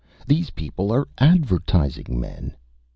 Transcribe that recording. These people are advertising men!